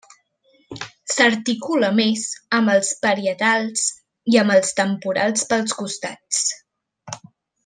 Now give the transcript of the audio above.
S'articula a més amb els parietals i amb els temporals pels costats.